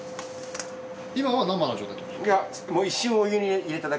今は生の状態なんですか？